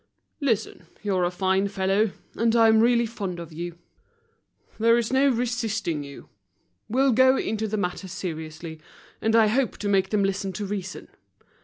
"Listen, you're a fine fellow, and I am really fond of you. There's no resisting you. We'll go into the matter seriously, and I hope to make them listen to reason.